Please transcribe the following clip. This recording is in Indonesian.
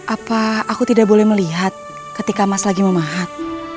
apa aku tidak boleh melihat ketika mas lagi memahat